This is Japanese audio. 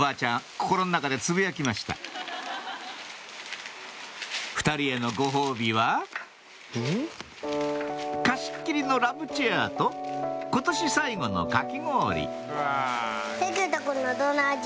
心の中でつぶやきました２人へのご褒美は貸し切りのラブチェアと今年最後のかき氷せきゆうたくんのどんなあじ？